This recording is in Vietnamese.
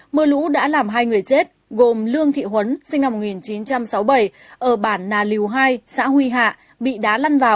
mưa lũ đã làm hai người chết gồm lương thị huấn sinh năm một nghìn chín trăm sáu mươi bảy ở bản nà liều hai xã huy hạ bị đá lăn vào